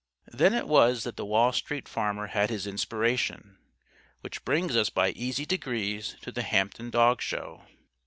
Then it was that the Wall Street Farmer had his Inspiration. Which brings us by easy degrees to the Hampton Dog Show.